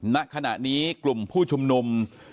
ณขณะนี้กลุ่มผู้ชุมนุม